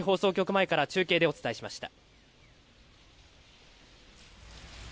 前から中継でお伝えしました。